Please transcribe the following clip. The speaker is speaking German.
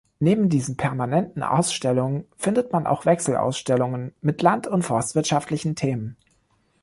Neben diesen permanenten Ausstellungen findet man auch Wechselausstellungen mit land- und forstwirtschaftlichen Themen.